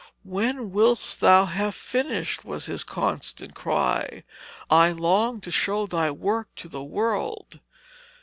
'When wilt thou have finished?' was his constant cry. 'I long to show thy work to the world.'